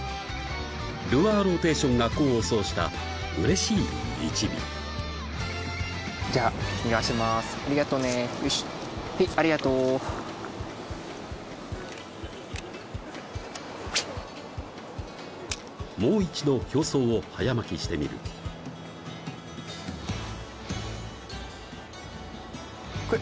ルアーローテーションが功を奏したうれしい１尾じゃあ逃がしますありがとねはいありがとうもう１度表層を早巻きしてみる食え